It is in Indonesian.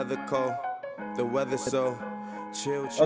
dia sangka gue dari angka angklung ujung